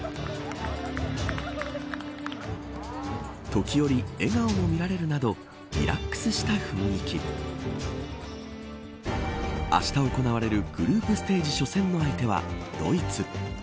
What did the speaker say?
時折、笑顔も見られるなどリラックスした雰囲気。あした行われるグループステージ初戦の相手はドイツ。